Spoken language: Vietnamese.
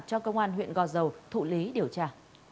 cho công an huyện gò dầu thụ lý điều tra